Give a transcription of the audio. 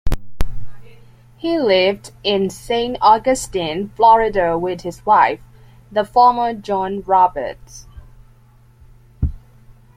He lived in Saint Augustine, Florida with his wife, the former June Roberts.